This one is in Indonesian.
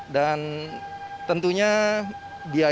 dan tentunya biaya juga